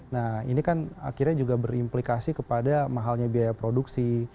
nah ini kan akhirnya juga berimplikasi kepada mahalnya biaya produksi